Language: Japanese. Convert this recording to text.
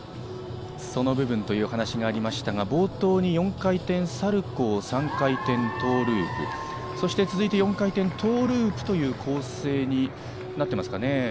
その部分というお話がありましたが、冒頭に４回転サルコー、３回転トーループ、続いて４回転トーループという構成になっていますかね。